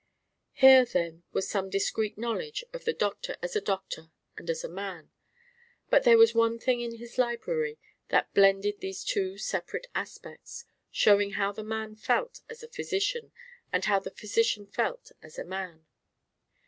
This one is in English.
Here, then, was some discrete knowledge of the doctor as a doctor and as a man. But there was one thing in his library that blended these two separate aspects, showing how the man felt as a physician and how the physician felt as a man.